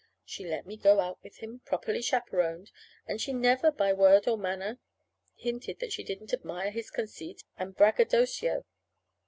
She let me go out with him, properly chaperoned, and she never, by word or manner, hinted that she didn't admire his conceit and braggadocio.